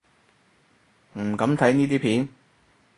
唔敢睇呢啲片